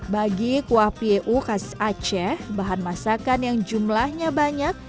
bagi kuah p e u khas aceh bahan masakan yang jumlahnya banyak